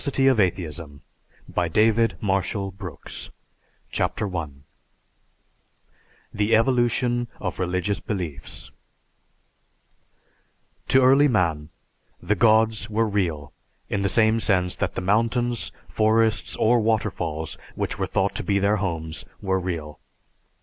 THE NECESSITY OF ATHEISM CHAPTER I THE EVOLUTION OF RELIGIOUS BELIEFS _To early man, the gods were real in the same sense that the mountains, forests, or waterfalls which were thought to be their homes were real.